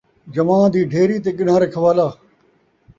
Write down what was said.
جَواں دی ڈھیری، تے گݙان٘ہہ رکھوالا